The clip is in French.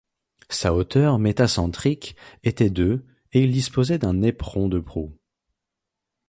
Sa hauteur métacentrique était de et il disposait d'un éperon de proue.